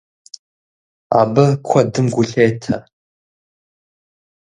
Абы куэдым гу лъетэ.